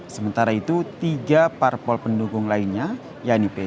sementara itu tiga parpol pendukung lainnya yaitu p tiga